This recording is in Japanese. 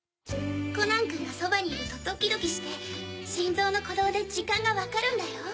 コナンくんがそばにいるとドキドキして心臓の鼓動で時間が分かるんだよ。